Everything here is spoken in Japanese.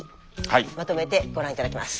まとめてご覧頂きます。